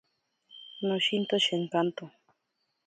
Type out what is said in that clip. Noshinto shenkanto.